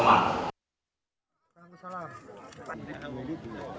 mereka semuanya telah berteman